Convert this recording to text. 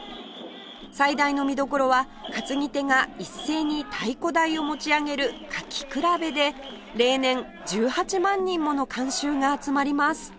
最大の見どころは担ぎ手が一斉に太鼓台を持ち上げる「かきくらべ」で例年１８万人もの観衆が集まります